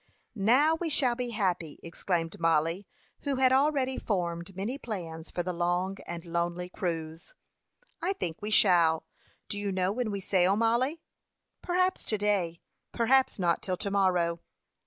"Now we shall be happy!" exclaimed Mollie, who had already formed many plans for the long and lonely cruise. "I think we shall. Do you know when we sail, Mollie?" "Perhaps to day; perhaps not till to morrow."